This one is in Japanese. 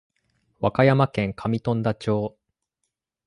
和歌山県上富田町